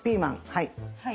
はい。